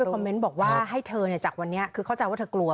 แคบมันบอกว่าให้เธอเนี่ยจากวันนี้คือเข้าจำว่าเธอกลัว